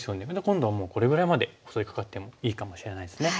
今度はもうこれぐらいまで襲いかかってもいいかもしれないですね。